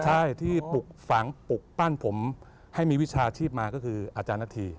ใช่ที่ปลุกปั้นผมให้มีวิชาอาชีพมาก็คืออาจารย์นัทธี